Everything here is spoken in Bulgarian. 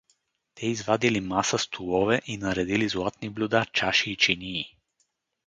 Те извадили маса, столове и наредили златни блюда, чаши и чинии.